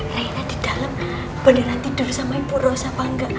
rena di dalam beneran tidur sama ibu rose apa enggak